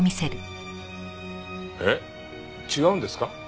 えっ違うんですか？